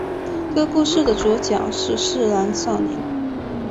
这个故事的主角是四郎少年。